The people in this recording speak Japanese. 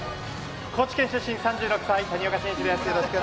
高知県出身、３６歳谷岡慎一です。